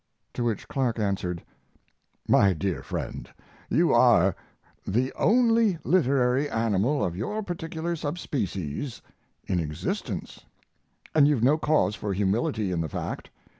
To which Clark answered: MY DEAR FRIEND, You are "the only literary animal of your particular subspecies" in existence, and you've no cause for humility in the fact.